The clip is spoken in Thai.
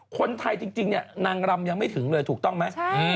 คนไทยจริงเนี่ยนางรำยังไม่ถึงเลยถูกต้องไหม